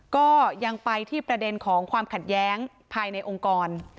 ก็ยังไปที่ประเด็นของความขัดแย้งภายในองค์กร